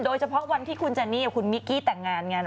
โดยเฉพาะวันที่คุณเจนนี่กับคุณมิกกี้แต่งงานไง